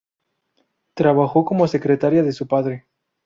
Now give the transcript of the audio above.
Trabajó como secretaria de su padre.